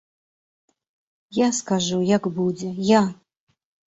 Я скажу, як будзе, я!